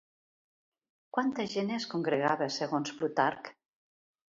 Quanta gent es congregava segons Plutarc?